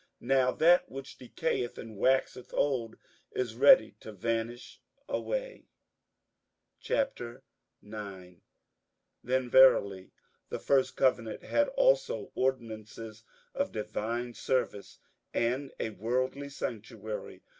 Now that which decayeth and waxeth old is ready to vanish away. 58:009:001 Then verily the first covenant had also ordinances of divine service, and a worldly sanctuary.